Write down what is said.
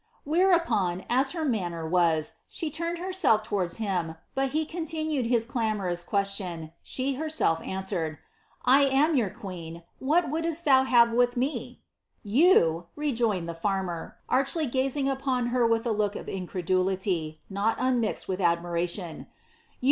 \Ther(^ upon, as lier manner was, she lurned heniell' lowards hini. but he can* tiiiuiiig his clamoroua question, she herseU' answered, " I am your queen, what wouldat Diou ha»e with me f" " Tou," rejoined the farmer, archly gazing upon Iter with a look of incredulity, not unmixeil with admin* tion —" you